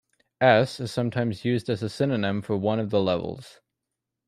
"S" is sometimes used as a synonym for one of the levels.